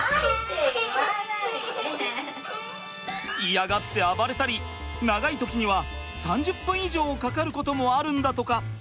嫌がって暴れたり長い時には３０分以上かかることもあるんだとか。